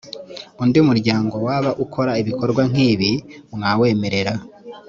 undi muryango waba ukora ibikorwa nkibi mwawemerera.